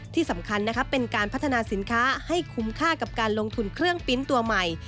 ที่สำคัญเป็นการพัฒนาสินค้าให้คุ้มค่ากับการลงทุนเครื่องปิ๊นต์ตัวใหม่